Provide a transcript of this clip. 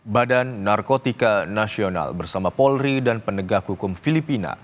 badan narkotika nasional bersama polri dan penegak hukum filipina